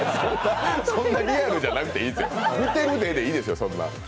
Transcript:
そんなリアルじゃなくていいです、見てるでいいです。